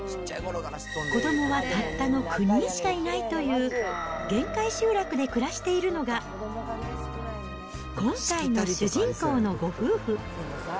子どもはたったの９人しかいないという、限界集落で暮らしているのが、今回の主人公のご夫婦。